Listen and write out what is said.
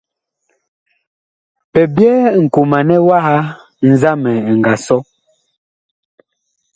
Bi byɛɛ nkomanɛ nzamɛ ɛ nga sɔ.